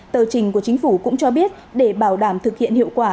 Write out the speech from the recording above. tờ trình của chính phủ cũng cho biết để bảo đảm thực hiện hiệu quả